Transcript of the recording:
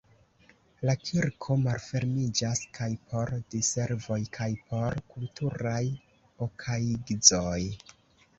La kirko malfermiĝas kaj por diservoj kaj por kulturaj okaigzoj.